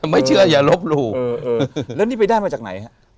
ไม่เชื่ออย่าลบหลู่แล้วนี่ไปได้มาจากไหนฮะ